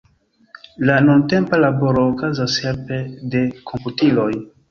La nuntempa laboro okazas helpe de komputiloj.